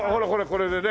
これでね。